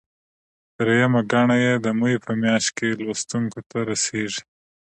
درېیمه ګڼه یې د مې په میاشت کې لوستونکو ته رسیږي.